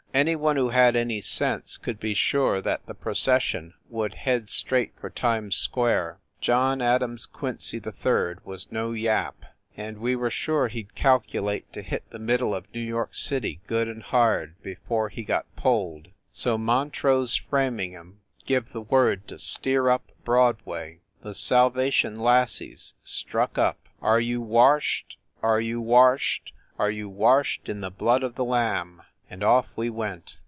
Anyone who had any sense could be sure that that procession would head straight for Times Square. John Adams Quincy 3d was no yap, and we were sure he d calculate to hit the middle of New York City good and hard before he got pulled. So Montrose Framingham give the word to steer up Broadway. The Salva tion lassies struck up "Are you washed, Are you washed, Are you washed in the blood of the Lamb? * and off we went.